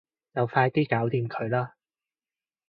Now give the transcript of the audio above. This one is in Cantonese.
就快啲搞掂佢啦